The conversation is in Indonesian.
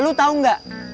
lu tau gak